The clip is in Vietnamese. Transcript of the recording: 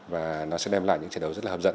và nó sẽ đem lại những trận đấu rất là hấp dẫn